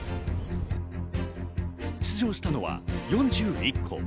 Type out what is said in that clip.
出場したのは４１校。